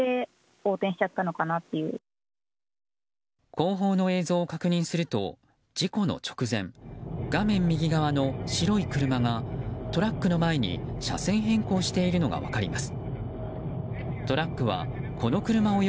後方の映像を確認すると事故の直前、画面右側の白い車がトラックの前に車線変更しているのが分かります。